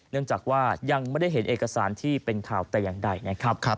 เนื่องจากว่ายังไม่ได้เห็นเอกสารที่เป็นข่าวแต่อย่างใดนะครับ